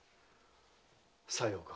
さようか。